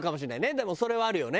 でもそれはあるよね。